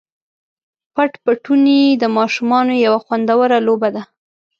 پټ پټوني د ماشومانو یوه خوندوره لوبه ده.